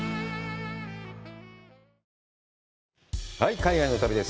海外の旅です。